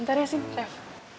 bentar ya sih rev